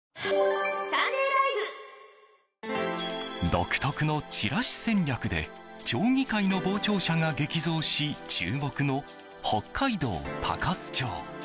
独特のチラシ戦略で町議会の傍聴者が激増し注目の北海道鷹栖町。